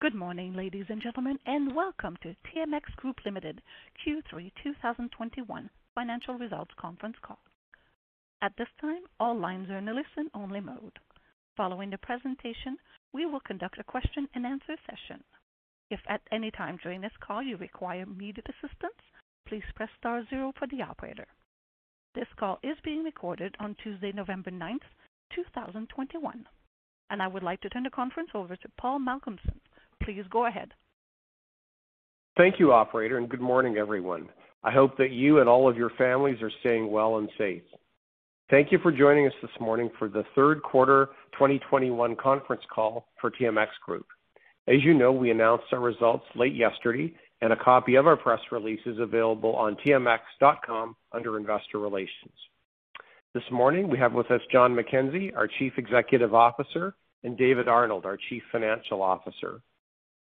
Good morning, ladies and gentlemen, and welcome to TMX Group Limited Q3 2021 financial results conference call. At this time, all lines are in a listen-only mode. Following the presentation, we will conduct a question-and-answer session. If at any time during this call you require immediate assistance, please press star zero for the operator. This call is being recorded on Tuesday, November ninth, two thousand and twenty-one. I would like to turn the conference over to Paul Malcolmson. Please go ahead. Thank you, operator, and good morning, everyone. I hope that you and all of your families are staying well and safe. Thank you for joining us this morning for the Q3 2021 conference call for TMX Group. As you know, we announced our results late yesterday, and a copy of our press release is available on tmx.com under Investor Relations. This morning, we have with us John McKenzie, our Chief Executive Officer, and David Arnold, our Chief Financial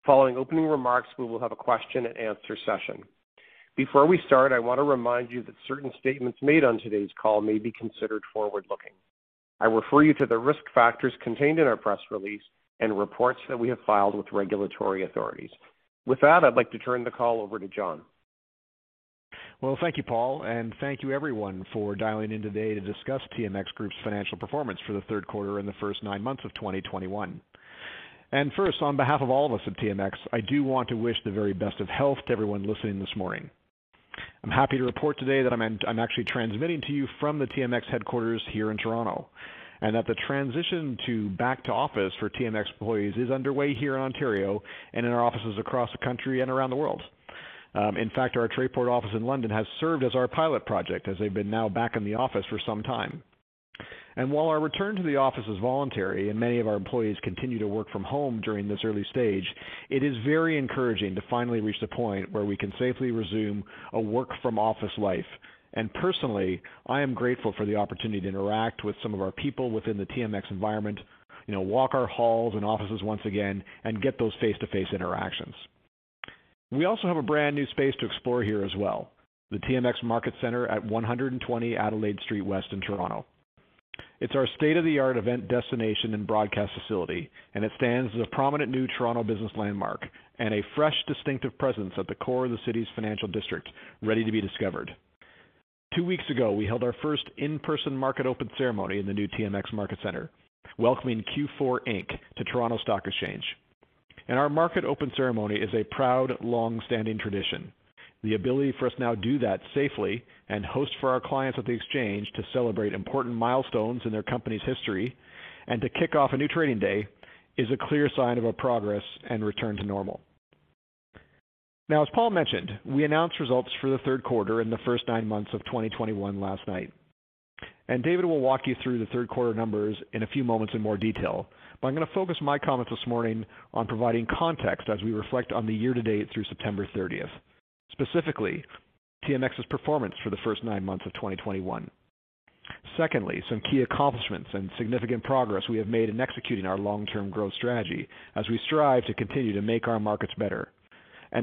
Officer. Following opening remarks, we will have a question-and-answer session. Before we start, I want to remind you that certain statements made on today's call may be considered forward-looking. I refer you to the risk factors contained in our press release and reports that we have filed with regulatory authorities. With that, I'd like to turn the call over to John. Thank you, Paul, and thank you everyone for dialing in today to discuss TMX Group's financial performance for the Q3 and the first 9 months of 2021. First, on behalf of all of us at TMX, I do want to wish the very best of health to everyone listening this morning. I'm happy to report today that I'm actually transmitting to you from the TMX headquarters here in Toronto, and that the transition to back to office for TMX employees is underway here in Ontario and in our offices across the country and around the world. In fact, our Trayport office in London has served as our pilot project as they've been now back in the office for some time. While our return to the office is voluntary, and many of our employees continue to work from home during this early stage, it is very encouraging to finally reach the point where we can safely resume a work-from-office life. Personally, I am grateful for the opportunity to interact with some of our people within the TMX environment, you know, walk our halls and offices once again and get those face-to-face interactions. We also have a brand-new space to explore here as well, the TMX Market Center at 120 Adelaide Street West in Toronto. It's our state-of-the-art event destination and broadcast facility, and it stands as a prominent new Toronto business landmark and a fresh, distinctive presence at the core of the city's financial district, ready to be discovered. Two weeks ago, we held our first in-person market open ceremony in the new TMX Market Center, welcoming Q4 Inc. to Toronto Stock Exchange. Our market open ceremony is a proud, long-standing tradition. The ability for us now do that safely and host for our clients at the exchange to celebrate important milestones in their company's history and to kick off a new trading day is a clear sign of our progress and return to normal. Now, as Paul mentioned, we announced results for the Q3 and the first nine months of 2021 last night. David will walk you through the Q3 numbers in a few moments in more detail. I'm gonna focus my comments this morning on providing context as we reflect on the year-to-date through September thirtieth. Specifically, TMX's performance for the first nine months of 2021. Secondly, some key accomplishments and significant progress we have made in executing our long-term growth strategy as we strive to continue to make our markets better.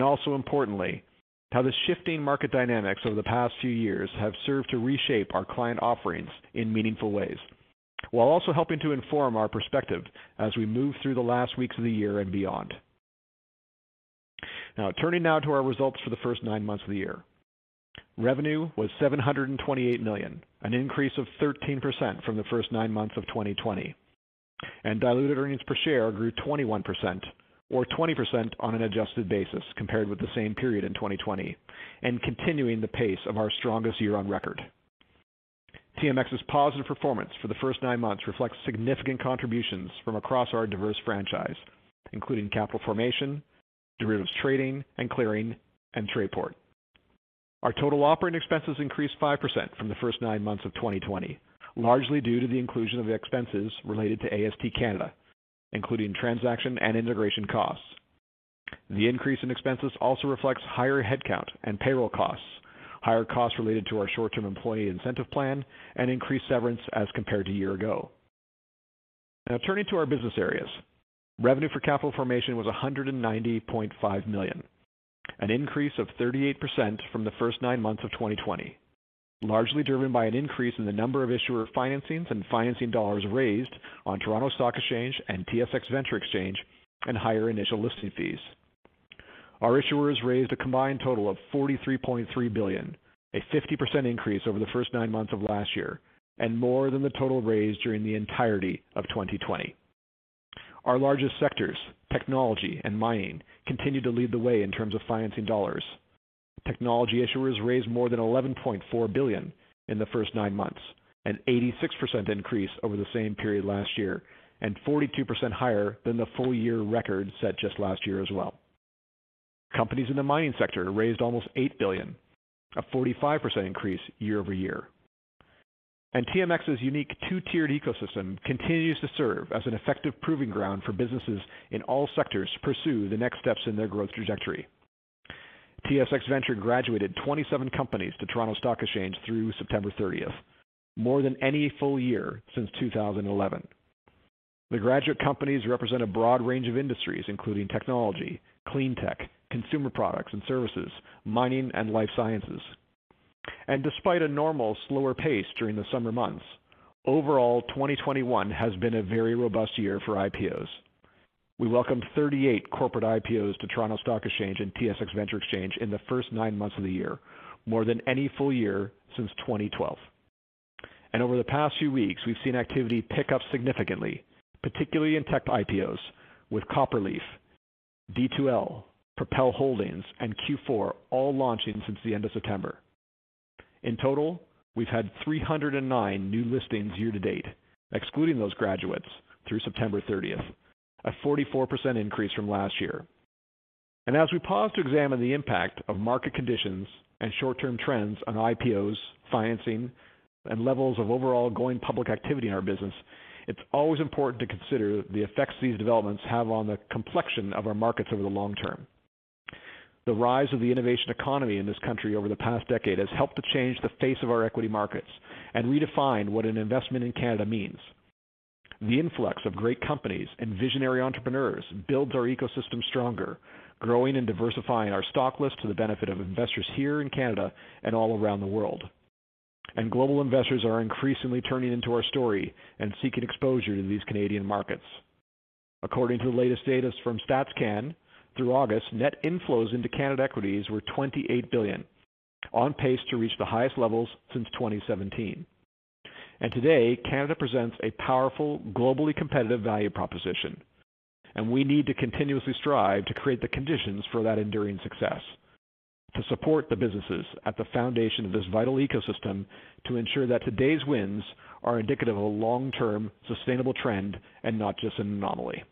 Also importantly, how the shifting market dynamics over the past few years have served to reshape our client offerings in meaningful ways, while also helping to inform our perspective as we move through the last weeks of the year and beyond. Now, turning now to our results for the first 9 months of the year. Revenue was 728 million, an increase of 13% from the first 9 months of 2020. Diluted earnings per share grew 21% or 20% on an adjusted basis compared with the same period in 2020 and continuing the pace of our strongest year on record. TMX's positive performance for the first nine months reflects significant contributions from across our diverse franchise, including Capital Formation, Derivatives Trading and Clearing, and Trayport. Our total operating expenses increased 5% from the first nine months of 2020, largely due to the inclusion of expenses related to AST Canada, including transaction and integration costs. The increase in expenses also reflects higher headcount and payroll costs, higher costs related to our short-term employee incentive plan, and increased severance as compared to year ago. Now turning to our business areas. Revenue for Capital Formation was 190.5 million, an increase of 38% from the first nine months of 2020, largely driven by an increase in the number of issuer financings and financing dollars raised on Toronto Stock Exchange and TSX Venture Exchange and higher initial listing fees. Our issuers raised a combined total of 43.3 billion, a 50% increase over the first nine months of last year and more than the total raised during the entirety of 2020. Our largest sectors, technology and mining, continued to lead the way in terms of financing dollars. Technology issuers raised more than 11.4 billion in the first nine months, an 86% increase over the same period last year and 42% higher than the full year record set just last year as well. Companies in the mining sector raised almost 8 billion, a 45% increase year over year. TMX's unique two-tiered ecosystem continues to serve as an effective proving ground for businesses in all sectors to pursue the next steps in their growth trajectory. TSX Venture graduated 27 companies to Toronto Stock Exchange through September 30th, more than any full year since 2011. The graduate companies represent a broad range of industries including technology, clean tech, consumer products and services, mining and life sciences. Despite a normal slower pace during the summer months, overall, 2021 has been a very robust year for IPOs. We welcomed 38 corporate IPOs to Toronto Stock Exchange and TSX Venture Exchange in the first nine months of the year, more than any full year since 2012. Over the past few weeks, we've seen activity pick up significantly, particularly in tech IPOs with Copperleaf, D2L, Propel Holdings, and Q4 all launching since the end of September. In total, we've had 309 new listings year-to-date, excluding those graduates through September 30th, a 44% increase from last year. As we pause to examine the impact of market conditions and short-term trends on IPOs, financing, and levels of overall going public activity in our business, it's always important to consider the effects these developments have on the complexion of our markets over the long term. The rise of the innovation economy in this country over the past decade has helped to change the face of our equity markets and redefined what an investment in Canada means. The influx of great companies and visionary entrepreneurs builds our ecosystem stronger, growing and diversifying our stock list to the benefit of investors here in Canada and all around the world. Global investors are increasingly turning to our story and seeking exposure to these Canadian markets. According to the latest data from Statistics Canada, through August, net inflows into Canada equities were 28 billion, on pace to reach the highest levels since 2017. Today, Canada presents a powerful, globally competitive value proposition, and we need to continuously strive to create the conditions for that enduring success, to support the businesses at the foundation of this vital ecosystem, to ensure that today's wins are indicative of a long-term sustainable trend and not just an anomaly.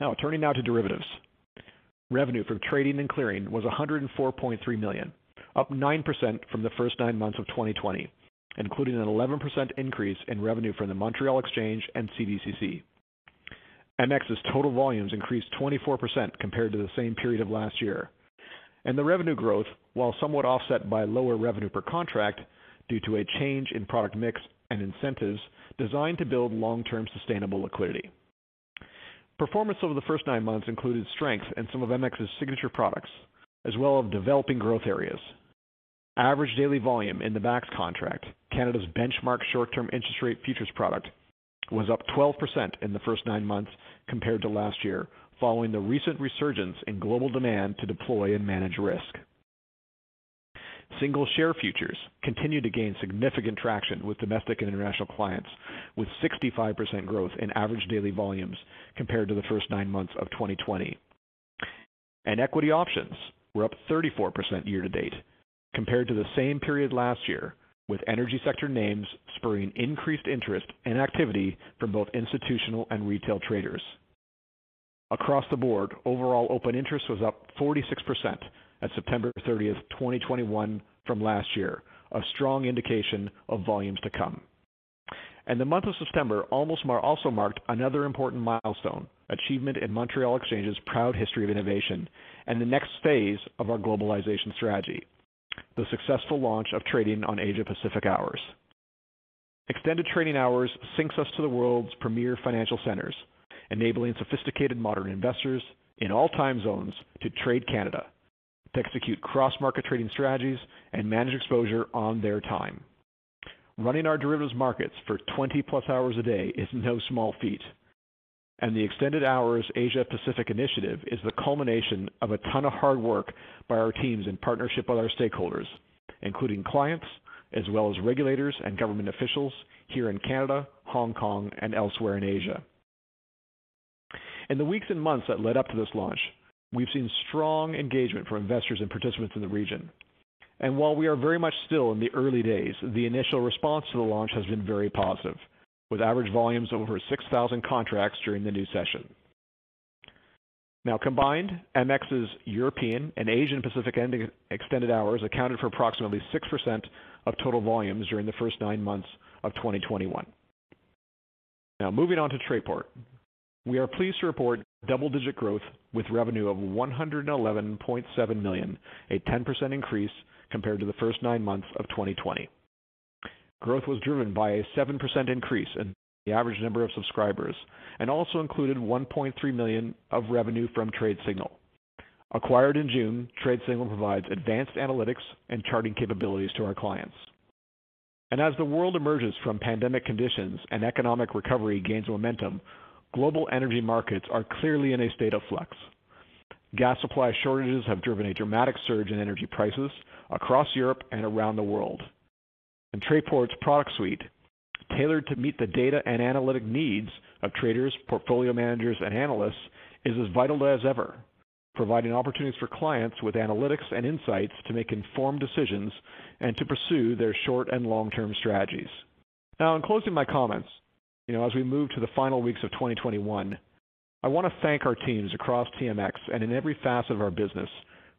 Now, turning to derivatives. Revenue from trading and clearing was 104.3 million, up 9% from the first 9 months of 2020, including an 11% increase in revenue from the Montréal Exchange and CDCC. MX's total volumes increased 24% compared to the same period of last year. The revenue growth, while somewhat offset by lower revenue per contract due to a change in product mix and incentives designed to build long-term sustainable liquidity. Performance over the first nine months included strength in some of MX's signature products, as well as developing growth areas. Average daily volume in the BAX contract, Canada's benchmark short-term interest rate futures product, was up 12% in the first nine months compared to last year, following the recent resurgence in global demand to deploy and manage risk. Single share futures continued to gain significant traction with domestic and international clients, with 65% growth in average daily volumes compared to the first nine months of 2020. Equity options were up 34% year-to-date compared to the same period last year, with energy sector names spurring increased interest and activity from both institutional and retail traders. Across the board, overall open interest was up 46% at September 30, 2021 from last year, a strong indication of volumes to come. The month of September also marked another important milestone, achievement in Montréal Exchange's proud history of innovation and the next phase of our globalization strategy, the successful launch of trading on Asia-Pacific hours. Extended trading hours syncs us to the world's premier financial centers, enabling sophisticated modern investors in all time zones to trade Canada, to execute cross-market trading strategies and manage exposure on their time. Running our derivatives markets for 20+ hours a day is no small feat, and the Extended Hours Asia-Pacific Initiative is the culmination of a ton of hard work by our teams in partnership with our stakeholders, including clients as well as regulators and government officials here in Canada, Hong Kong, and elsewhere in Asia. In the weeks and months that led up to this launch, we've seen strong engagement from investors and participants in the region. While we are very much still in the early days, the initial response to the launch has been very positive, with average volumes over 6,000 contracts during the new session. Now, combined, MX's European and Asia Pacific extended hours accounted for approximately 6% of total volumes during the first nine months of 2021. Now, moving on to Trayport. We are pleased to report double-digit growth with revenue of 111.7 million, a 10% increase compared to the first nine months of 2020. Growth was driven by a 7% increase in the average number of subscribers and also included 1.3 million of revenue from Tradesignal. Acquired in June, Tradesignal provides advanced analytics and charting capabilities to our clients. As the world emerges from pandemic conditions and economic recovery gains momentum, global energy markets are clearly in a state of flux. Gas supply shortages have driven a dramatic surge in energy prices across Europe and around the world. Trayport's product suite, tailored to meet the data and analytic needs of traders, portfolio managers, and analysts, is as vital as ever, providing opportunities for clients with analytics and insights to make informed decisions and to pursue their short and long-term strategies. Now, in closing my comments, you know, as we move to the final weeks of 2021, I want to thank our teams across TMX and in every facet of our business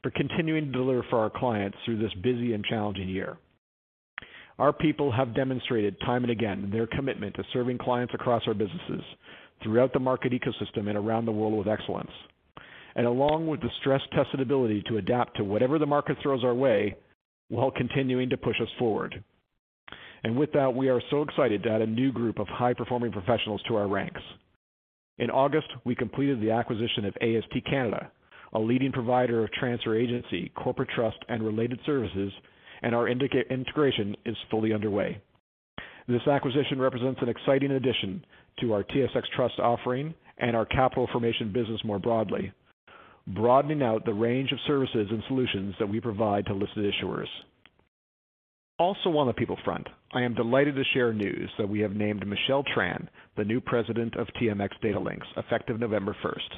for continuing to deliver for our clients through this busy and challenging year. Our people have demonstrated time and again their commitment to serving clients across our businesses throughout the market ecosystem and around the world with excellence, along with the stress-tested ability to adapt to whatever the market throws our way while continuing to push us forward. With that, we are so excited to add a new group of high-performing professionals to our ranks. In August, we completed the acquisition of AST Canada, a leading provider of transfer agency, corporate trust, and related services, and our integration is fully underway. This acquisition represents an exciting addition to our TSX Trust offering and our Capital Formation business more broadly, broadening out the range of services and solutions that we provide to listed issuers. Also on the people front, I am delighted to share news that we have named Michelle Tran the new President of TMX Datalinx, effective November first.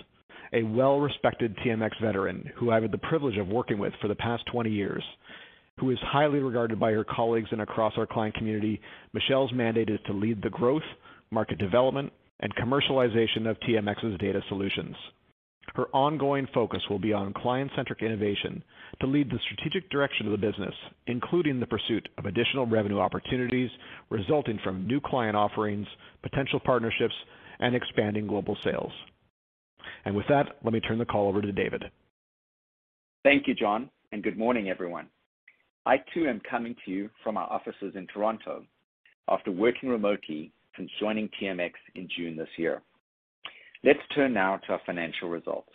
A well-respected TMX veteran who I've had the privilege of working with for the past 20 years, who is highly regarded by her colleagues and across our client community. Michelle's mandate is to lead the growth, market development, and commercialization of TMX's data solutions. Her ongoing focus will be on client-centric innovation to lead the strategic direction of the business, including the pursuit of additional revenue opportunities resulting from new client offerings, potential partnerships, and expanding global sales. With that, let me turn the call over to David. Thank you, John, and good morning, everyone. I too am coming to you from our offices in Toronto after working remotely since joining TMX in June this year. Let's turn now to our financial results.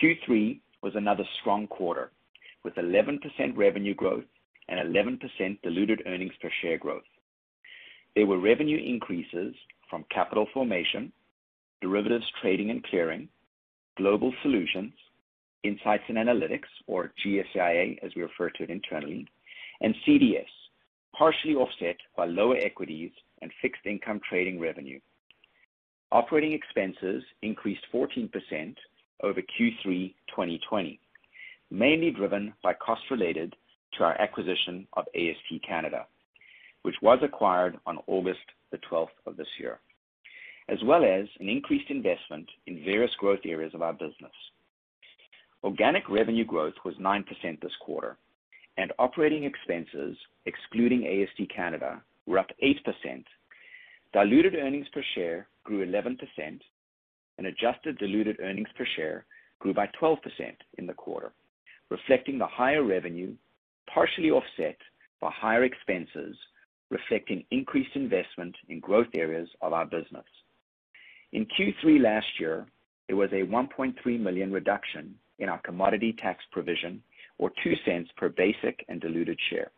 Q3 was another strong quarter, with 11% revenue growth and 11% diluted earnings per share growth. There were revenue increases from Capital Formation, Derivatives Trading and Clearing, Global Solutions, Insights and Analytics or GS&IA, as we refer to it internally, and CDS, partially offset by lower equities and fixed income trading revenue. Operating expenses increased 14% over Q3 2020, mainly driven by costs related to our acquisition of AST Canada, which was acquired on August 12 of this year, as well as an increased investment in various growth areas of our business. Organic revenue growth was 9% this quarter, and operating expenses excluding AST Canada were up 8%. Diluted earnings per share grew 11% and adjusted diluted earnings per share grew by 12% in the quarter, reflecting the higher revenue, partially offset by higher expenses, reflecting increased investment in growth areas of our business. In Q3 last year, there was a 1.3 million reduction in our commodity tax provision or 0.02 per basic and diluted share.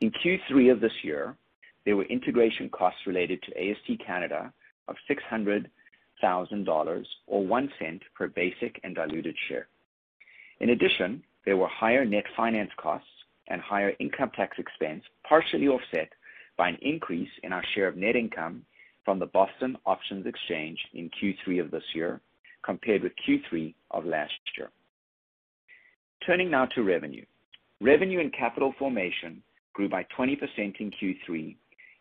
In Q3 of this year, there were integration costs related to AST Canada of 600,000 dollars or 0.01 per basic and diluted share. In addition, there were higher net finance costs and higher income tax expense, partially offset by an increase in our share of net income from the BOX Exchange in Q3 of this year compared with Q3 of last year. Turning now to revenue. Revenue and Capital Formation grew by 20% in Q3,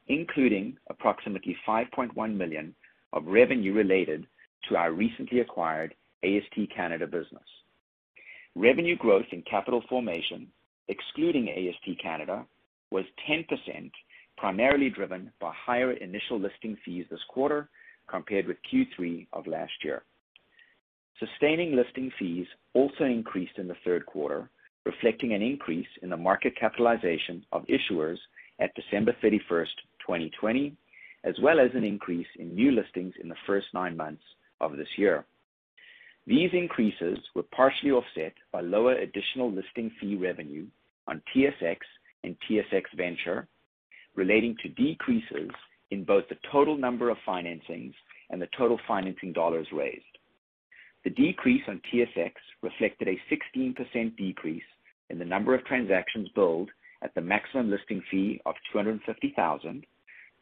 including approximately 5.1 million of revenue related to our recently acquired AST Canada business. Revenue growth in Capital Formation, excluding AST Canada, was 10%, primarily driven by higher initial listing fees this quarter compared with Q3 of last year. Sustaining listing fees also increased in the Q3, reflecting an increase in the market capitalization of issuers at December 31, 2020, as well as an increase in new listings in the first nine months of this year. These increases were partially offset by lower additional listing fee revenue on TSX and TSX Venture relating to decreases in both the total number of financings and the total financing dollars raised. The decrease on TSX reflected a 16% decrease in the number of transactions billed at the maximum listing fee of 250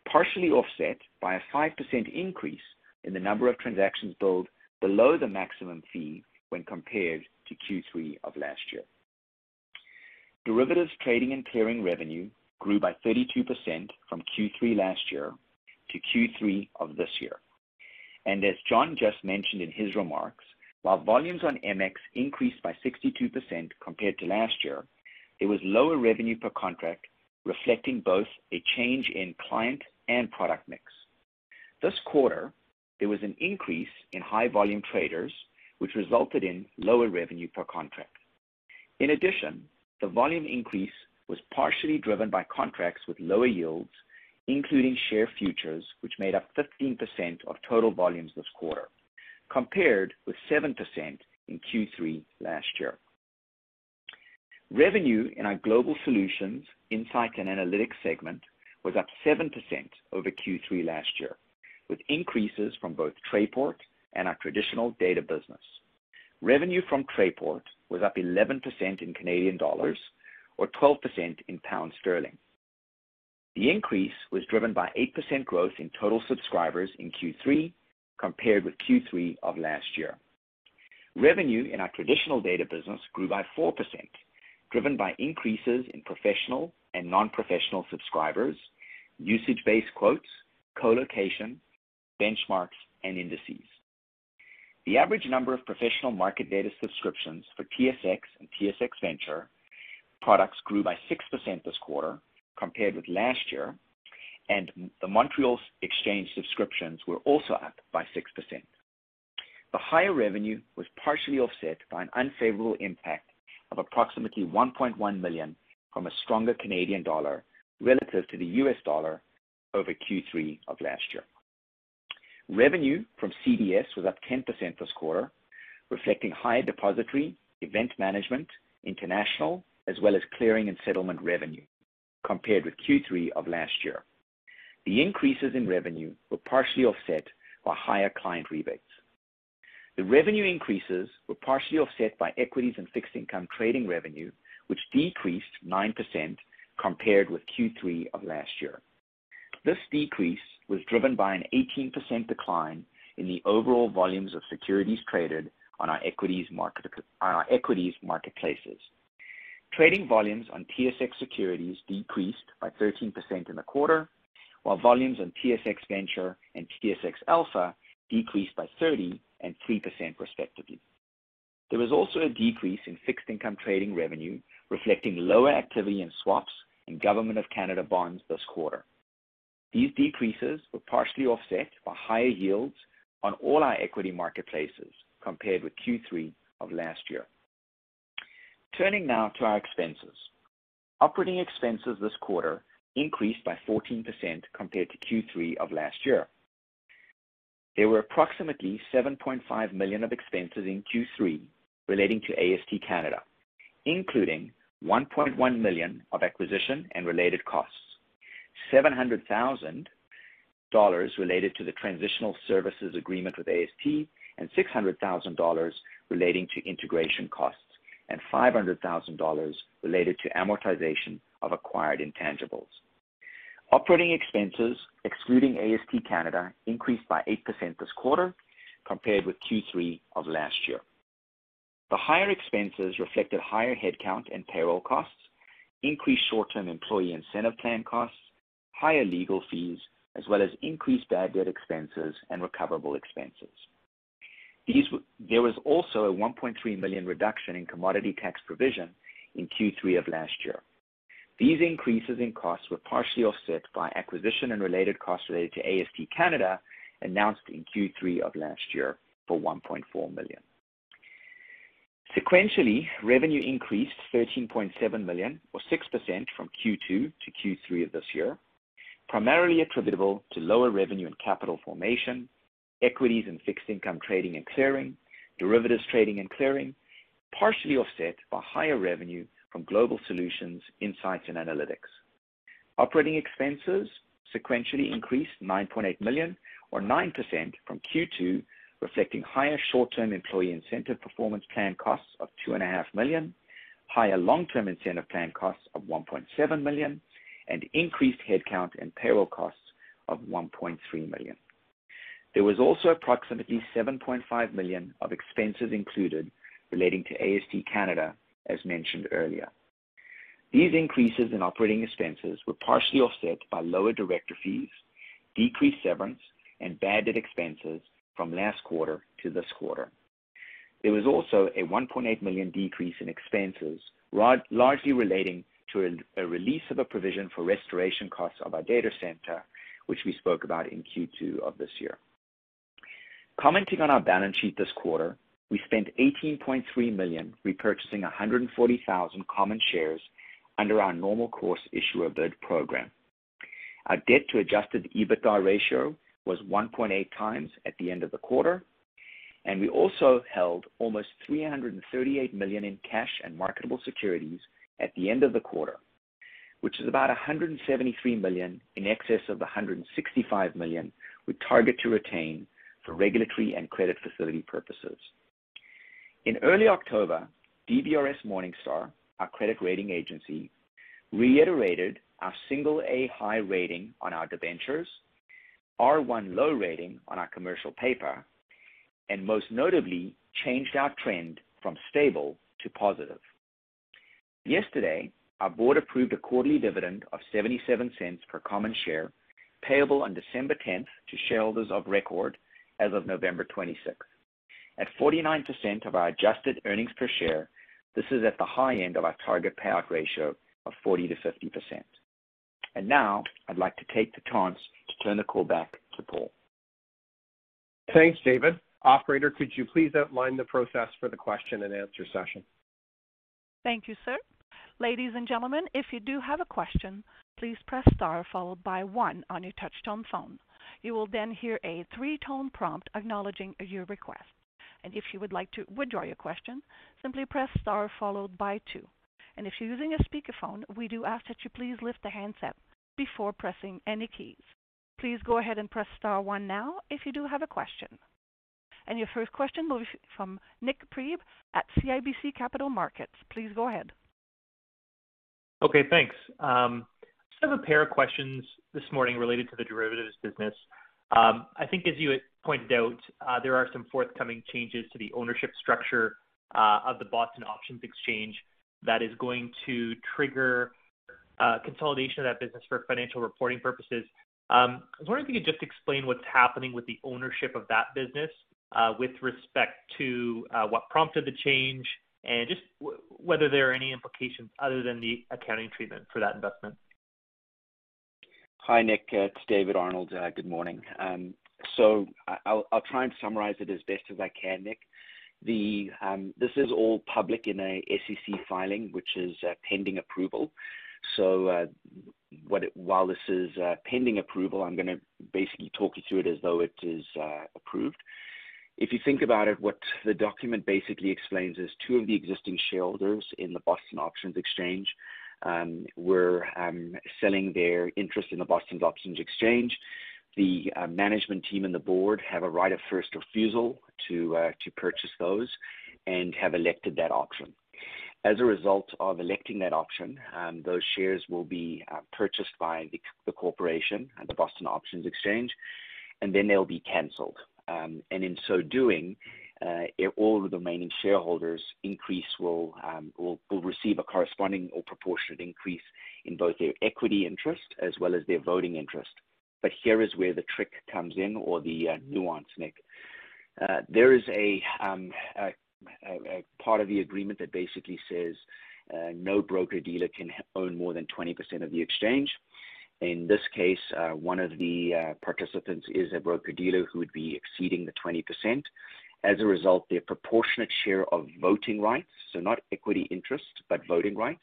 thousand, partially offset by a 5% increase in the number of transactions billed below the maximum fee when compared to Q3 of last year. Derivatives Trading and Clearing revenue grew by 32% from Q3 last year to Q3 of this year. As John just mentioned in his remarks, while volumes on MX increased by 62% compared to last year, there was lower revenue per contract, reflecting both a change in client and product mix. This quarter, there was an increase in high volume traders, which resulted in lower revenue per contract. In addition, the volume increase was partially driven by contracts with lower yields, including share futures, which made up 15% of total volumes this quarter, compared with 7% in Q3 last year. Revenue in our Global Solutions, Insights and Analytics segment was up 7% over Q3 last year, with increases from both Trayport and our traditional data business. Revenue from Trayport was up 11% in Canadian dollars or 12% in pound sterling. The increase was driven by 8% growth in total subscribers in Q3 compared with Q3 of last year. Revenue in our traditional data business grew by 4%, driven by increases in professional and non-professional subscribers, usage-based quotes, colocation, benchmarks, and indices. The average number of professional market data subscriptions for TSX and TSX Venture products grew by 6% this quarter compared with last year, and the Montréal Exchange subscriptions were also up by 6%. The higher revenue was partially offset by an unfavorable impact of approximately 1.1 million from a stronger Canadian dollar relative to the US dollar over Q3 of last year. Revenue from CDS was up 10% this quarter, reflecting higher depository, event management, international, as well as clearing and settlement revenue compared with Q3 of last year. The increases in revenue were partially offset by higher client rebates. The revenue increases were partially offset by equities and fixed income trading revenue, which decreased 9% compared with Q3 of last year. This decrease was driven by an 18% decline in the overall volumes of securities traded on our equities market, on our equities marketplaces. Trading volumes on TSX securities decreased by 13% in the quarter, while volumes on TSX Venture and TSX Alpha decreased by 30% and 3% respectively. There was also a decrease in fixed income trading revenue, reflecting lower activity in swaps and government of Canada bonds this quarter. These decreases were partially offset by higher yields on all our equity marketplaces compared with Q3 of last year. Turning now to our expenses. Operating expenses this quarter increased by 14% compared to Q3 of last year. There were approximately 7.5 million of expenses in Q3 relating to AST Canada, including 1.1 million of acquisition and related costs. 700 thousand dollars related to the transitional services agreement with AST, and 600 thousand dollars relating to integration costs, and 500 thousand dollars related to amortization of acquired intangibles. Operating expenses, excluding AST Canada, increased by 8% this quarter compared with Q3 of last year. The higher expenses reflected higher headcount and payroll costs, increased short-term employee incentive plan costs, higher legal fees, as well as increased bad debt expenses and recoverable expenses. There was also a 1.3 million reduction in commodity tax provision in Q3 of last year. These increases in costs were partially offset by acquisition and related costs related to AST Canada, announced in Q3 of last year for 1.4 million. Sequentially, revenue increased 13.7 million or 6% from Q2 to Q3 of this year, primarily attributable to higher revenue in Capital Formation, Equities and Fixed Income Trading and Clearing, Derivatives Trading and Clearing, partially offset by lower revenue from Global Solutions, Insights and Analytics. Operating expenses sequentially increased 9.8 million or 9% from Q2, reflecting higher short-term employee incentive performance plan costs of two and a half million, higher long-term incentive plan costs of 1.7 million, and increased headcount and payroll costs of 1.3 million. There was also approximately 7.5 million of expenses included relating to AST Canada, as mentioned earlier. These increases in operating expenses were partially offset by lower director fees, decreased severance, and bad debt expenses from last quarter to this quarter. There was also a 1.8 million decrease in expenses, largely relating to a release of a provision for restoration costs of our data center, which we spoke about in Q2 of this year. Commenting on our balance sheet this quarter, we spent 18.3 million repurchasing 140,000 common shares under our normal course issuer bid program. Our debt to adjusted EBITDA ratio was 1.8 times at the end of the quarter, and we also held almost 338 million in cash and marketable securities at the end of the quarter, which is about 173 million in excess of the 165 million we target to retain for regulatory and credit facility purposes. In early October, DBRS Morningstar, our credit rating agency, reiterated our single A high rating on our debentures, R1 low rating on our commercial paper, and most notably, changed our trend from stable to positive. Yesterday, our board approved a quarterly dividend of 0.77 per common share, payable on December 10th to shareholders of record as of November 26th. At 49% of our adjusted earnings per share, this is at the high end of our target payout ratio of 40%-50%. Now I'd like to take the chance to turn the call back to Paul. Thanks, David. Operator, could you please outline the process for the question and answer session? Thank you, sir. Ladies and gentlemen, if you do have a question, please press star followed by one on your touchtone phone. You will then hear a three-tone prompt acknowledging your request. If you would like to withdraw your question, simply press star followed by two. If you're using a speakerphone, we do ask that you please lift the handset before pressing any keys. Please go ahead and press star one now if you do have a question. Your first question will be from Nik Priebe at CIBC Capital Markets. Please go ahead. Okay, thanks. Just have a pair of questions this morning related to the derivatives business. I think as you had pointed out, there are some forthcoming changes to the ownership structure of the BOX Exchange that is going to trigger consolidation of that business for financial reporting purposes. I was wondering if you could just explain what's happening with the ownership of that business with respect to what prompted the change, and just whether there are any implications other than the accounting treatment for that investment. Hi, Nik. It's David Arnold. Good morning. I'll try and summarize it as best as I can, Nik. This is all public in a SEC filing, which is pending approval. While this is pending approval, I'm gonna basically talk you through it as though it is approved. If you think about it, what the document basically explains is two of the existing shareholders in the Boston Options Exchange were selling their interest in the Boston Options Exchange. The management team and the board have a right of first refusal to purchase those and have elected that option. As a result of electing that option, those shares will be purchased by the corporation at the Boston Options Exchange, and then they'll be canceled. In so doing, all the remaining shareholders increase will receive a corresponding or proportionate increase in both their equity interest as well as their voting interest. Here is where the trick comes in or the nuance, Nik. There is a part of the agreement that basically says no broker-dealer can own more than 20% of the exchange. In this case, one of the participants is a broker-dealer who would be exceeding the 20%? As a result, their proportionate share of voting rights, so not equity interest, but voting rights,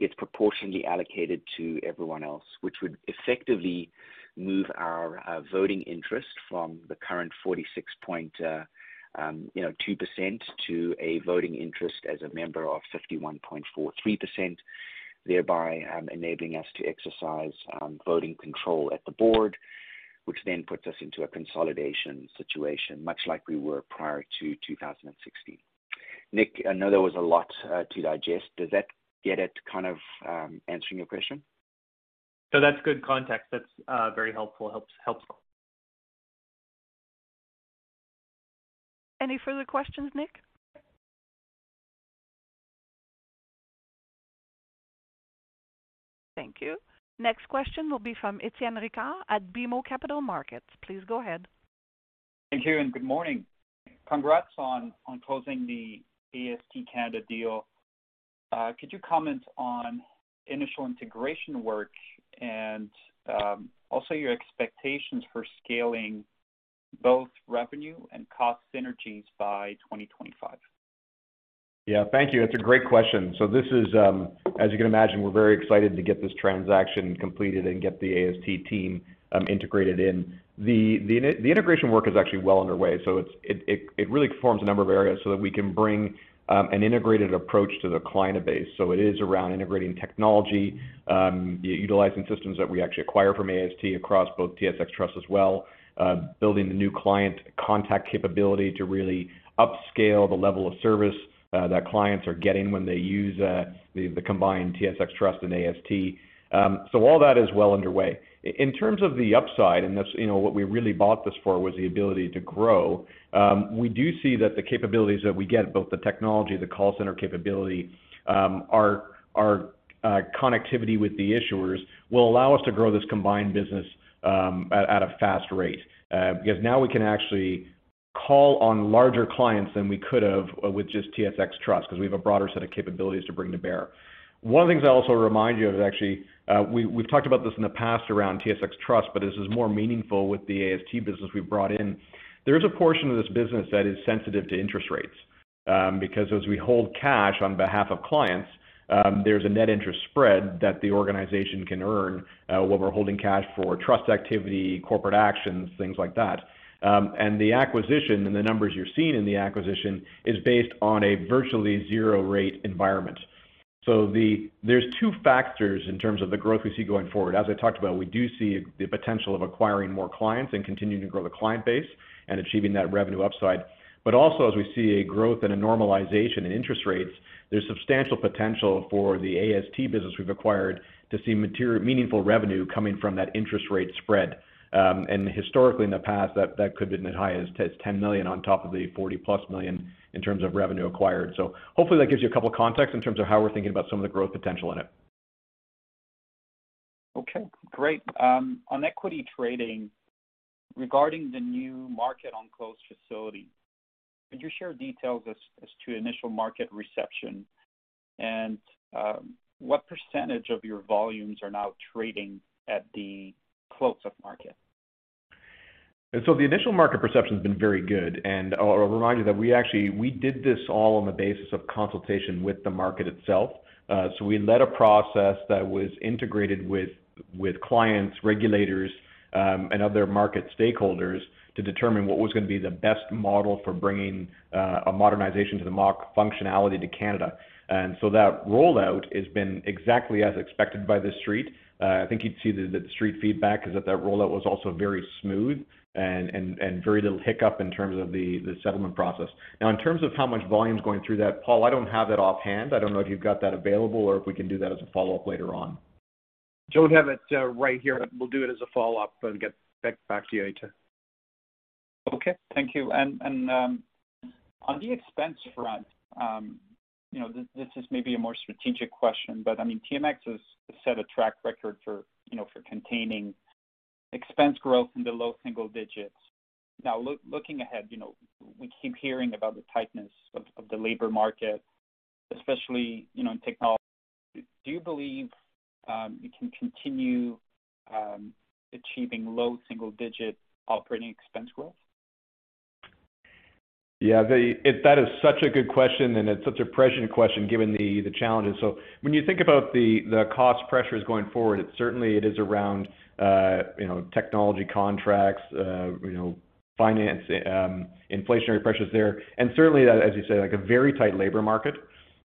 gets proportionally allocated to everyone else, which would effectively move our voting interest from the current 46.2% to a voting interest as a member of 51.43%, thereby enabling us to exercise voting control at the board, which then puts us into a consolidation situation, much like we were prior to 2016. Nik, I know there was a lot to digest. Does that get at kind of answering your question? That's good context. That's very helpful. Any further questions, Nik? Thank you. Next question will be from Étienne Ricard at BMO Capital Markets. Please go ahead. Thank you and good morning. Congrats on closing the AST Canada deal. Could you comment on initial integration work and also your expectations for scaling both revenue and cost synergies by 2025? Yeah, thank you. That's a great question. This is, as you can imagine, we're very excited to get this transaction completed and get the AST team integrated in. The integration work is actually well underway, it really forms a number of areas so that we can bring an integrated approach to the client base. It is around integrating technology, utilizing systems that we actually acquire from AST across both TSX Trust as well, building the new client contact capability to really upscale the level of service that clients are getting when they use the combined TSX Trust and AST. All that is well underway. In terms of the upside, that's, you know, what we really bought this for was the ability to grow. We do see that the capabilities that we get, both the technology, the call center capability, our connectivity with the issuers will allow us to grow this combined business, at a fast rate. Because now we can actually call on larger clients than we could have, with just TSX Trust 'cause we have a broader set of capabilities to bring to bear. One of the things I'll also remind you of is actually, we've talked about this in the past around TSX Trust, but this is more meaningful with the AST business we brought in. There is a portion of this business that is sensitive to interest rates, because as we hold cash on behalf of clients, there's a net interest spread that the organization can earn, while we're holding cash for trust activity, corporate actions, things like that. The acquisition and the numbers you're seeing in the acquisition is based on a virtually zero rate environment. There's two factors in terms of the growth we see going forward. As I talked about, we do see the potential of acquiring more clients and continuing to grow the client base and achieving that revenue upside. Also as we see a growth and a normalization in interest rates, there's substantial potential for the AST business we've acquired to see meaningful revenue coming from that interest rate spread. Historically in the past, that could have been as high as 10 million on top of the 40-plus million in terms of revenue acquired. Hopefully that gives you a couple of context in terms of how we're thinking about some of the growth potential in it. Okay, great. On equity trading, regarding the new Market on Close facility, could you share details as to initial market reception and what percentage of your volumes are now trading at the close of market? The initial market perception's been very good. I'll remind you that we actually did this all on the basis of consultation with the market itself. We led a process that was integrated with clients, regulators, and other market stakeholders to determine what was gonna be the best model for bringing a modernization to the MOC functionality to Canada. That rollout has been exactly as expected by the Street. I think you'd see that the Street feedback is that that rollout was also very smooth and very little hiccup in terms of the settlement process. Now, in terms of how much volume is going through that, Paul, I don't have that offhand. I don't know if you've got that available or if we can do that as a follow-up later on. Don't have it right here. We'll do it as a follow-up and get back to you, Étienne. Okay. Thank you. On the expense front, you know, this is maybe a more strategic question, but I mean, TMX has set a track record for, you know, for containing. Expense growth in the low single digits. Now looking ahead, you know, we keep hearing about the tightness of the labor market, especially, you know, in technology. Do you believe you can continue achieving low single-digit operating expense growth? That is such a good question, and it's such a prescient question given the challenges. When you think about the cost pressures going forward, it certainly is around you know, technology contracts, you know, finance, inflationary pressures there. And certainly, as you say, like a very tight labor market.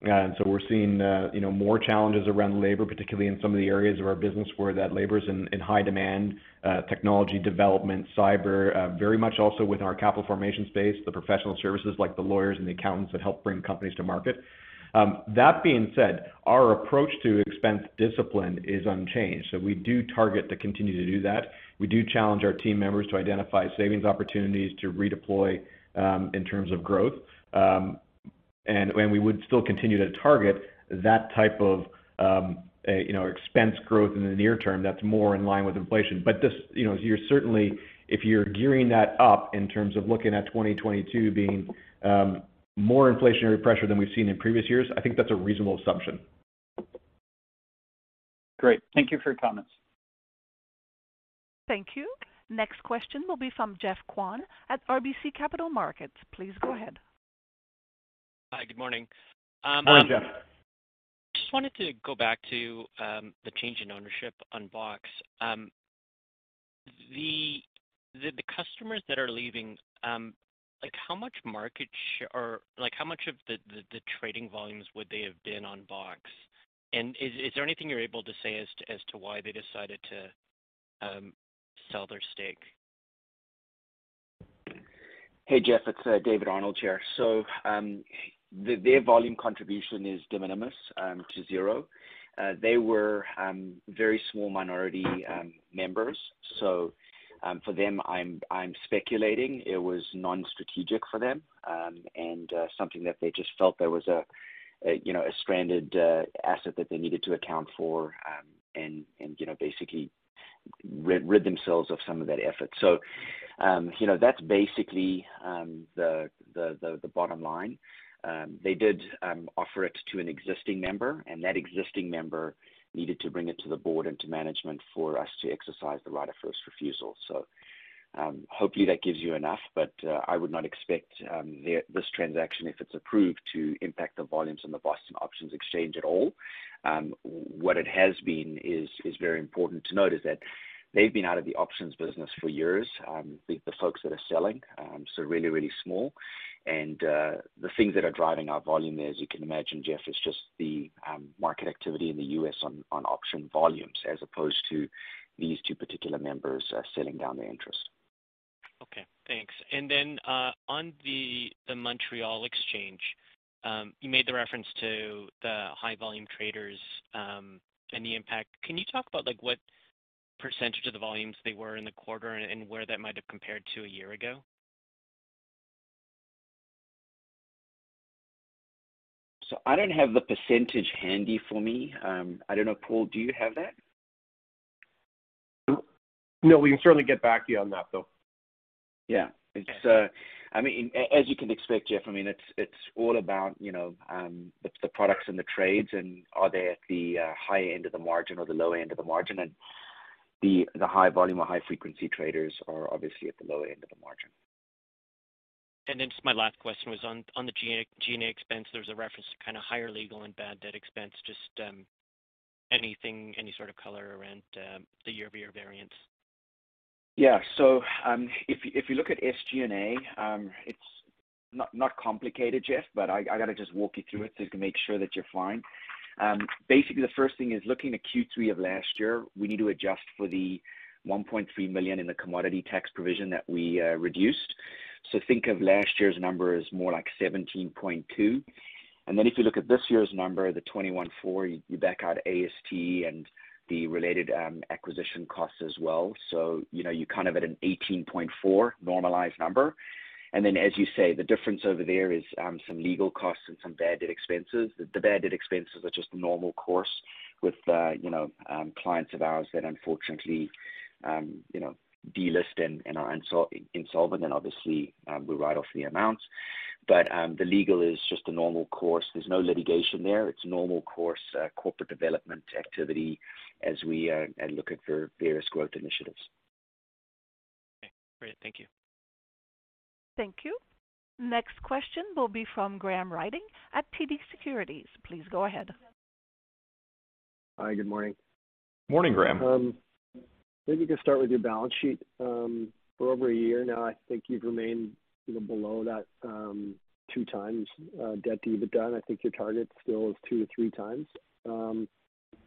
We're seeing you know, more challenges around labor, particularly in some of the areas of our business where that labor is in high demand, technology development, cyber, very much also with our Capital Formation space, the professional services like the lawyers and accountants that help bring companies to market. That being said, our approach to expense discipline is unchanged. We do target to continue to do that. We do challenge our team members to identify savings opportunities to redeploy in terms of growth. We would still continue to target that type of, you know, expense growth in the near term that's more in line with inflation. This, you know, you're certainly if you're gearing that up in terms of looking at 2022 being more inflationary pressure than we've seen in previous years, I think that's a reasonable assumption. Great. Thank you for your comments. Thank you. Next question will be from Geoff Kwan at RBC Capital Markets. Please go ahead. Hi, good morning. Hi, Geoff. Just wanted to go back to the change in ownership on BOX. The customers that are leaving, like how much of the trading volumes would they have been on BOX? Is there anything you're able to say as to why they decided to sell their stake? Hey, Jeff, it's David Arnold here. Their volume contribution is de minimis to zero. They were very small minority members. For them, I'm speculating it was non-strategic for them and something that they just felt there was a, you know, a stranded asset that they needed to account for and, you know, basically rid themselves of some of that effort. You know, that's basically the bottom line. They did offer it to an existing member, and that existing member needed to bring it to the board and to management for us to exercise the right of first refusal. Hopefully that gives you enough. I would not expect this transaction, if it's approved, to impact the volumes on the Boston Options Exchange at all. What it has been is very important to note is that they've been out of the options business for years. The folks that are selling so really small. The things that are driving our volume, as you can imagine, Jeff, is just the market activity in the U.S. on option volumes as opposed to these two particular members selling down their interest. Okay, thanks. Then, on the Montréal Exchange, you made the reference to the high volume traders, and the impact. Can you talk about like what percentage of the volumes they were in the quarter and where that might have compared to a year ago? I don't have the percentage handy for me. I don't know, Paul, do you have that? No. We can certainly get back to you on that, though. Yeah. It's, I mean, as you can expect, Geoff, I mean, it's all about, you know, the products and the trades and are they at the high end of the margin or the low end of the margin, and the high volume or high frequency traders are obviously at the low end of the margin. Just my last question was on the SG&A expense, there was a reference to kind of higher legal and bad debt expense. Just, anything, any sort of color around the year-over-year variance? Yeah. If you look at SG&A, it's not complicated, Geoff, but I gotta just walk you through it just to make sure that you're fine. Basically, the first thing is looking at Q3 of last year, we need to adjust for the 1.3 million in the commodity tax provision that we reduced. Think of last year's number as more like 17.2 million. If you look at this year's number, the 21.4 million, you back out AST and the related acquisition costs as well. You know, you're kind of at a 18.4 million normalized number. As you say, the difference over there is some legal costs and some bad debt expenses. The bad debt expenses are just normal course with, you know, delist and are insolvent, and obviously, we write off the amounts. The legal is just a normal course. There's no litigation there. It's normal course, corporate development activity as we are looking for various growth initiatives. Okay, great. Thank you. Thank you. Next question will be from Graham Ryding at TD Securities. Please go ahead. Hi, good morning. Morning, Graham. Maybe just start with your balance sheet. For over a year now, I think you've remained, you know, below that 2x debt to EBITDA. I think your target still is 2x to 3x.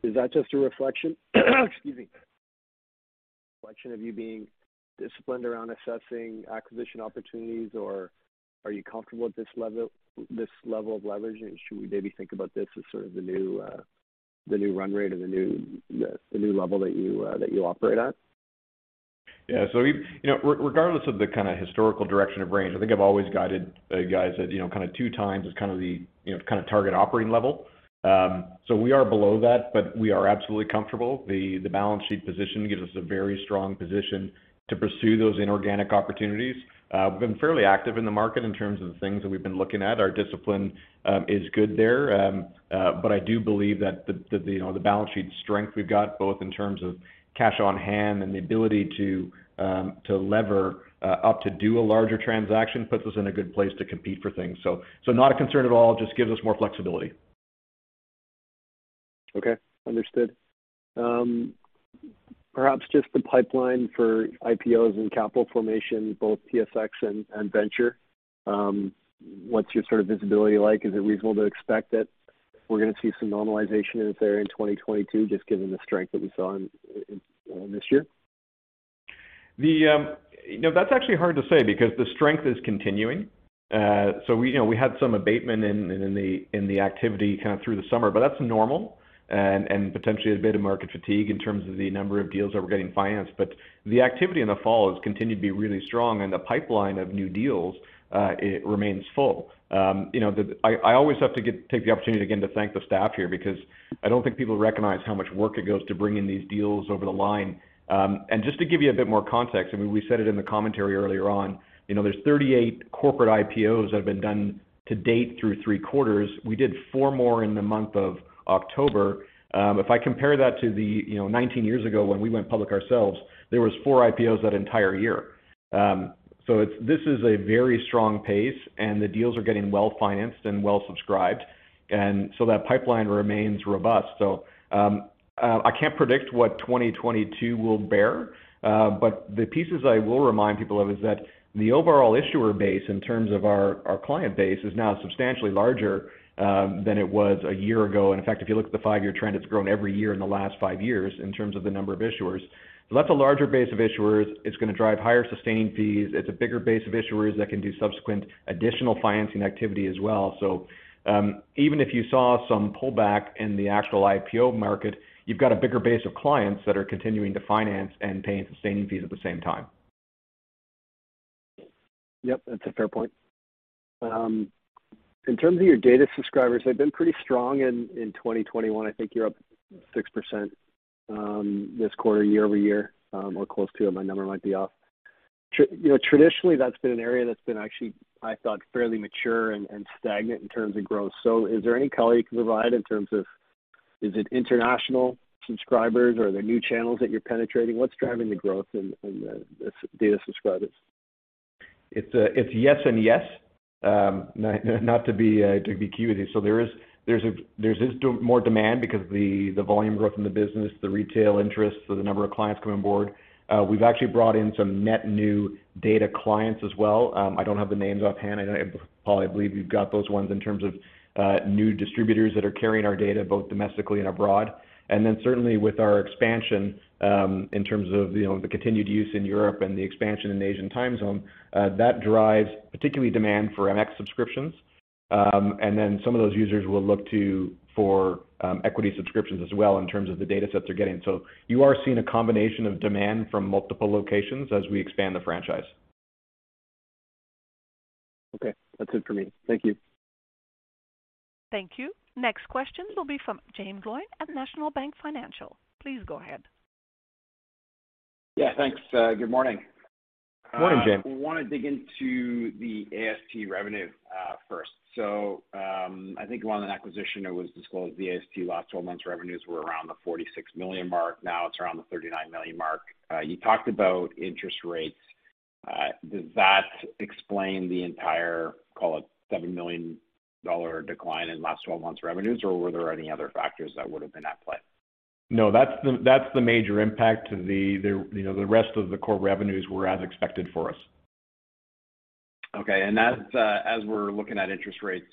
Is that just a reflection of you being disciplined around assessing acquisition opportunities, or are you comfortable with this level of leverage? Should we maybe think about this as sort of the new run rate or the new level that you operate at? We, you know, regardless of the kind of historical direction or range, I think I've always guided guys that, you know, kind of two times is kind of the, you know, kind of target operating level. We are below that, but we are absolutely comfortable. The balance sheet position gives us a very strong position to pursue those inorganic opportunities. We've been fairly active in the market in terms of the things that we've been looking at. Our discipline is good there. But I do believe that the balance sheet strength we've got, both in terms of cash on hand and the ability to lever up to do a larger transaction, puts us in a good place to compete for things. Not a concern at all, just gives us more flexibility. Okay. Understood. Perhaps just the pipeline for IPOs and capital formation, both TSX and Venture, what's your sort of visibility like? Is it reasonable to expect that we're gonna see some normalization in there in 2022, just given the strength that we saw in this year? You know, that's actually hard to say because the strength is continuing. We, you know, we had some abatement in the activity kind of through the summer, but that's normal and potentially a bit of market fatigue in terms of the number of deals that we're getting financed. The activity in the fall has continued to be really strong, and the pipeline of new deals it remains full. I always have to take the opportunity again to thank the staff here because I don't think people recognize how much work it takes to bring in these deals over the line. Just to give you a bit more context, I mean, we said it in the commentary earlier on, you know, there's 38 corporate IPOs that have been done to date through three quarters. We did four more in the month of October. If I compare that to the, you know, 19 years ago when we went public ourselves, there was four IPOs that entire year. This is a very strong pace, and the deals are getting well-financed and well-subscribed. That pipeline remains robust. I can't predict what 2022 will bear, but the pieces I will remind people of is that the overall issuer base in terms of our client base is now substantially larger than it was a year ago. In fact, if you look at the five-year trend, it's grown every year in the last five years in terms of the number of issuers. That's a larger base of issuers. It's gonna drive higher sustaining fees. It's a bigger base of issuers that can do subsequent additional financing activity as well. Even if you saw some pullback in the actual IPO market, you've got a bigger base of clients that are continuing to finance and paying sustaining fees at the same time. Yep, that's a fair point. In terms of your data subscribers, they've been pretty strong in 2021. I think you're up 6%, this quarter year over year, or close to it. My number might be off. You know, traditionally, that's been an area that's been actually, I thought, fairly mature and stagnant in terms of growth. Is there any color you can provide in terms of is it international subscribers? Are there new channels that you're penetrating? What's driving the growth in the data subscribers? It's yes and yes. Not to be cute with you. There is more demand because the volume growth in the business, the retail interest, so the number of clients coming on board. We've actually brought in some net new data clients as well. I don't have the names offhand. I know, Paul, I believe you've got those ones in terms of new distributors that are carrying our data both domestically and abroad. Certainly with our expansion in terms of you know the continued use in Europe and the expansion in the Asian time zone that drives particularly demand for MX subscriptions. Some of those users will look for equity subscriptions as well in terms of the data sets they're getting. You are seeing a combination of demand from multiple locations as we expand the franchise. Okay. That's it for me. Thank you. Thank you. Next question will be from Jaeme Gloyn at National Bank Financial. Please go ahead. Yeah, thanks. Good morning. Morning, Jaeme. We wanna dig into the AST revenue first. I think on an acquisition, it was disclosed the AST last twelve months revenues were around the 46 million mark. Now it's around the 39 million mark. You talked about interest rates. Does that explain the entire, call it 7 million dollar decline in last twelve months revenues, or were there any other factors that would have been at play? No, that's the major impact. The, you know, the rest of the core revenues were as expected for us. Okay. As we're looking at interest rates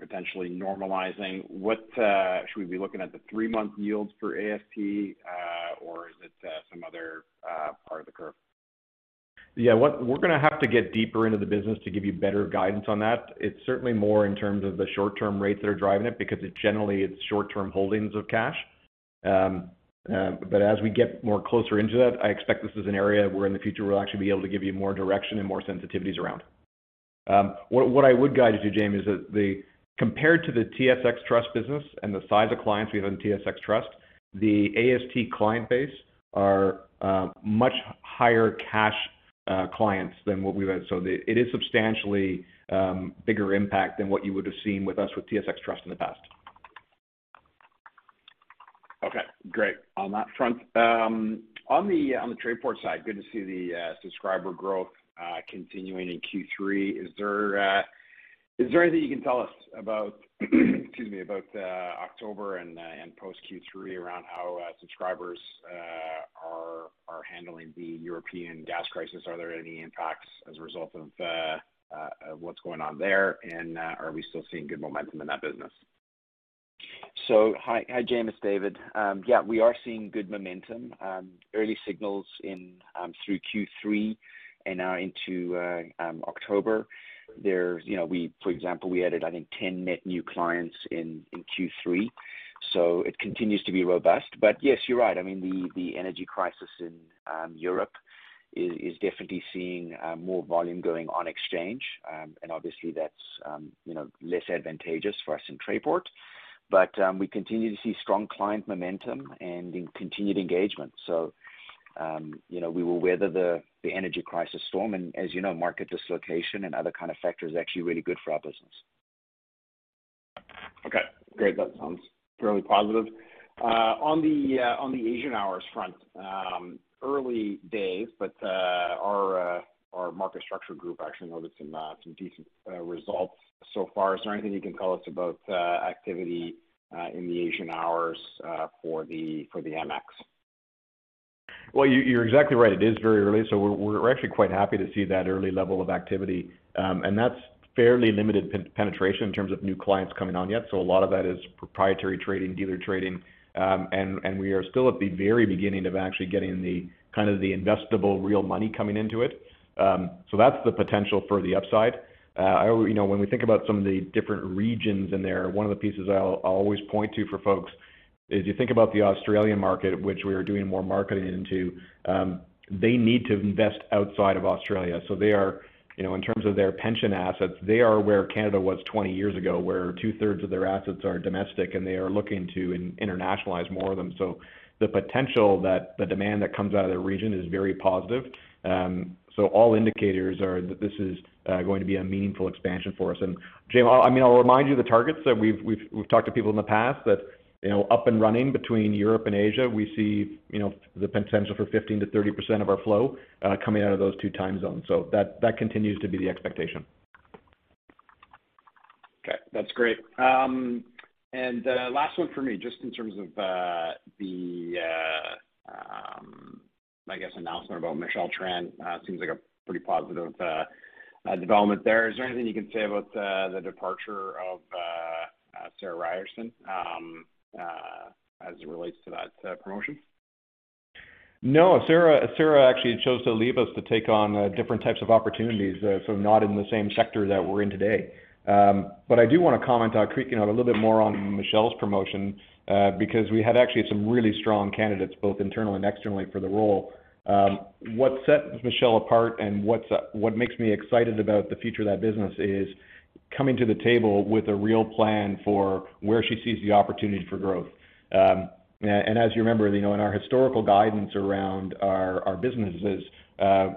potentially normalizing, what should we be looking at the three-month yields for AST, or is it some other part of the curve? Yeah. We're gonna have to get deeper into the business to give you better guidance on that. It's certainly more in terms of the short-term rates that are driving it because it's generally short-term holdings of cash. But as we get closer into that, I expect this is an area where in the future, we'll actually be able to give you more direction and more sensitivities around. What I would guide you to, Jaeme, is that compared to the TSX Trust business and the size of clients we have in TSX Trust, the AST client base are much higher cash clients than what we've had. It is substantially bigger impact than what you would have seen with us with TSX Trust in the past. Okay, great on that front. On the Trayport side, good to see the subscriber growth continuing in Q3. Is there anything you can tell us about, excuse me, about October and post Q3 around how subscribers are handling the European gas crisis? Are there any impacts as a result of what's going on there? Are we still seeing good momentum in that business? Hi, Jaeme. David. Yeah, we are seeing good momentum. Early signals in through Q3 and now into October. There, for example, we added, I think, 10 net new clients in Q3. It continues to be robust. Yes, you're right. I mean, the energy crisis in Europe is definitely seeing more volume going on exchange. Obviously that's, you know, less advantageous for us in Trayport. We continue to see strong client momentum and increased engagement. You know, we will weather the energy crisis storm, and as you know, market dislocation and other kind of factors is actually really good for our business. Okay, great. That sounds fairly positive. On the Asian hours front, early days, but our market structure group actually noticed some decent results so far. Is there anything you can tell us about activity in the Asian hours for the MX? Well, you're exactly right. It is very early, so we're actually quite happy to see that early level of activity. And that's fairly limited penetration in terms of new clients coming on yet. So a lot of that is proprietary trading, dealer trading. And we are still at the very beginning of actually getting the kind of investable real money coming into it. So that's the potential for the upside. You know, when we think about some of the different regions in there, one of the pieces I'll always point to for folks is you think about the Australian market, which we are doing more marketing into. They need to invest outside of Australia. They are, you know, in terms of their pension assets, they are where Canada was 20 years ago, where two-thirds of their assets are domestic and they are looking to internationalize more of them. The potential that the demand that comes out of the region is very positive. All indicators are that this is going to be a meaningful expansion for us. Jaeme, I mean, I'll remind you of the targets that we've talked to people in the past that, you know, up and running between Europe and Asia, we see, you know, the potential for 15%-30% of our flow coming out of those two time zones. That continues to be the expectation. Okay, that's great. Last one for me, just in terms of the, I guess, announcement about Michelle Tran, seems like a pretty positive development there. Is there anything you can say about the departure of Sarah Ryerson, as it relates to that promotion? No, Sarah actually chose to leave us to take on different types of opportunities, so not in the same sector that we're in today. But I do want to comment on, you know, a little bit more on Michelle's promotion, because we had actually some really strong candidates, both internally and externally for the role. What sets Michelle apart and what makes me excited about the future of that business is coming to the table with a real plan for where she sees the opportunity for growth. And as you remember, you know, in our historical guidance around our businesses,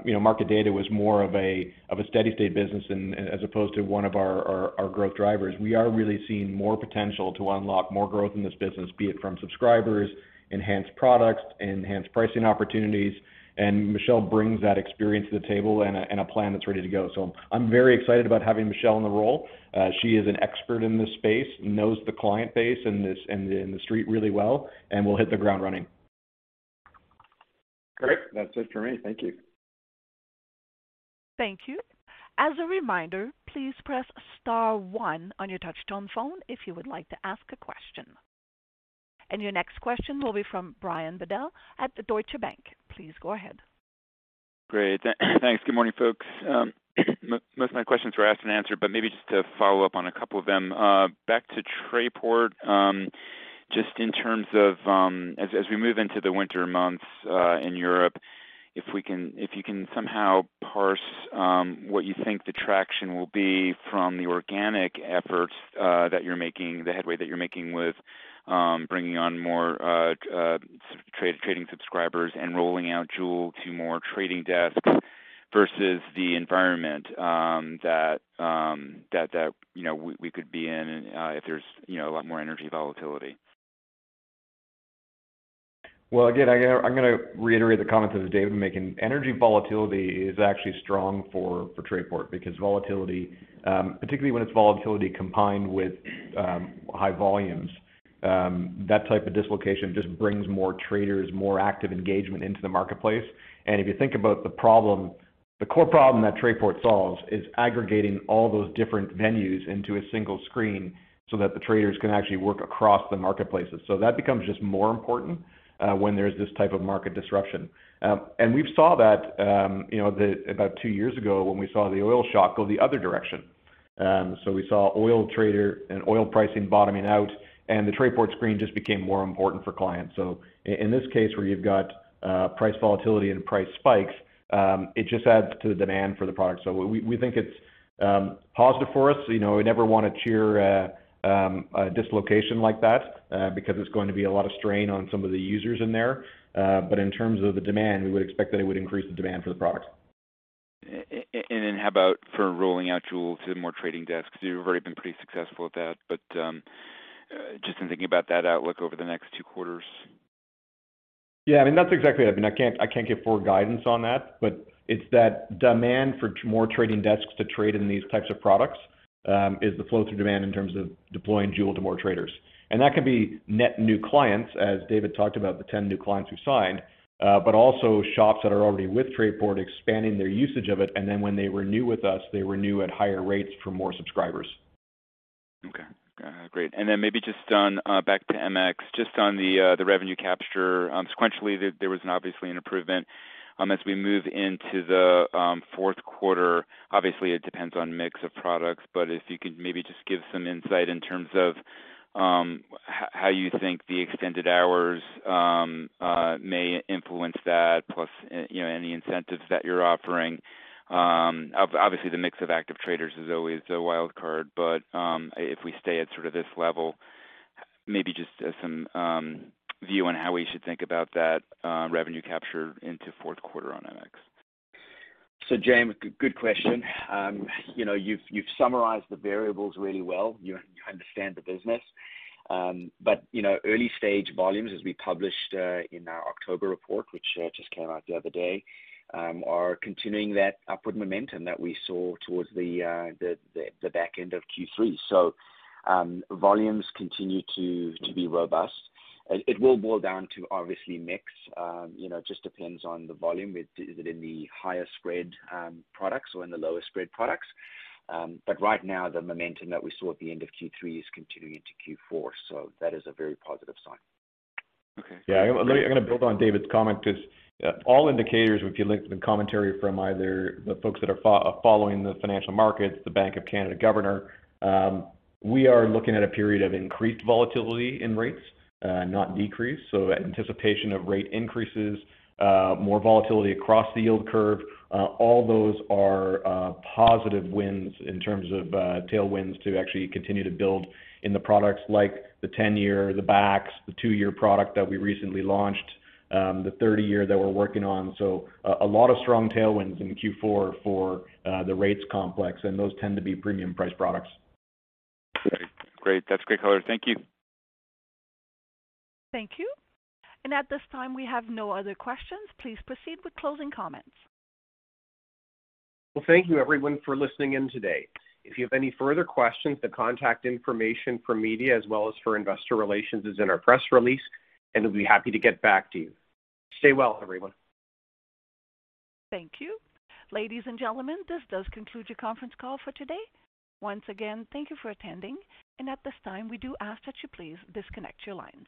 you know, market data was more of a steady state business and as opposed to one of our growth drivers. We are really seeing more potential to unlock more growth in this business, be it from subscribers, enhanced products, enhanced pricing opportunities. Michelle brings that experience to the table and a plan that's ready to go. I'm very excited about having Michelle in the role. She is an expert in this space, knows the client base and the Street really well, and will hit the ground running. Great. That's it for me. Thank you. Thank you. As a reminder, please press star one on your touchtone phone if you would like to ask a question. Your next question will be from Brian Bedell at Deutsche Bank. Please go ahead. Great. Thanks. Good morning, folks. Most of my questions were asked and answered, but maybe just to follow up on a couple of them. Back to Trayport, just in terms of, as we move into the winter months in Europe, if you can somehow parse what you think the traction will be from the organic efforts that you're making, the headway that you're making with bringing on more trading subscribers and rolling out Joule to more trading desks versus the environment that you know we could be in if there's you know a lot more energy volatility. Well, again, I'm gonna reiterate the comments that David's making. Energy volatility is actually strong for Trayport because volatility, particularly when it's volatility combined with high volumes, that type of dislocation just brings more traders, more active engagement into the marketplace. If you think about the problem, the core problem that Trayport solves is aggregating all those different venues into a single screen so that the traders can actually work across the marketplaces. That becomes just more important when there's this type of market disruption. We've saw that, you know, about two years ago when we saw the oil shock go the other direction. We saw oil trading and oil pricing bottoming out, and the Trayport screen just became more important for clients. In this case, where you've got price volatility and price spikes, it just adds to the demand for the product. We think it's positive for us. You know, we never wanna cheer a dislocation like that because it's going to be a lot of strain on some of the users in there. In terms of the demand, we would expect that it would increase the demand for the product. How about for rolling out Joule to the more trading desks? You've already been pretty successful at that, but just in thinking about that outlook over the next two quarters. Yeah, I mean, that's exactly. I mean, I can't give forward guidance on that, but it's that demand for more trading desks to trade in these types of products is the flow-through demand in terms of deploying Joule to more traders. That could be net new clients, as David talked about, the 10 new clients who signed, but also shops that are already with Trayport expanding their usage of it, and then when they renew with us, they renew at higher rates for more subscribers. Great. Then maybe just on back to MX, just on the revenue capture sequentially there was an obvious improvement as we move into the Q4. Obviously it depends on mix of products, but if you could maybe just give some insight in terms of how you think the extended hours may influence that plus, you know, any incentives that you're offering. Obviously the mix of active traders is always a wild card, but if we stay at sort of this level, maybe just some view on how we should think about that revenue capture into Q4 on MX. Jaeme, good question. You know, you've summarized the variables really well. You understand the business. You know, early stage volumes as we published in our October report, which just came out the other day, are continuing that upward momentum that we saw towards the back end of Q3. Volumes continue to be robust. It will boil down to obviously mix. You know, it just depends on the volume. Is it in the higher spread products or in the lower spread products? Right now the momentum that we saw at the end of Q3 is continuing to Q4, that is a very positive sign. Okay. I'm gonna build on David's comment 'cause all indicators, if you link the commentary from either the folks that are following the financial markets, the Bank of Canada governor, we are looking at a period of increased volatility in rates, not decreased. Anticipation of rate increases, more volatility across the yield curve, all those are positive wins in terms of tailwinds to actually continue to build in the products like the 10-year, the BAX, the 2-year product that we recently launched, the 30-year that we're working on. A lot of strong tailwinds in Q4 for the rates complex, and those tend to be premium price products. Great. That's great color. Thank you. Thank you. At this time, we have no other questions. Please proceed with closing comments. Well, thank you everyone for listening in today. If you have any further questions, the contact information for media as well as for investor relations is in our press release, and we'll be happy to get back to you. Stay well, everyone. Thank you. Ladies and gentlemen, this does conclude your conference call for today. Once again, thank you for attending, and at this time we do ask that you please disconnect your lines.